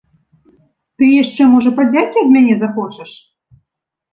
Ты яшчэ, можа, падзякі ад мяне захочаш?